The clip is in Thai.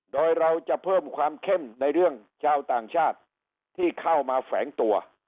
โดยเราจะเพิ่มความเข้มในเรื่องชาวต่างชาติที่เข้ามาแฝงตัว